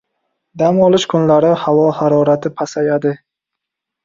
Dam olish kunlari havo harorati pasayadi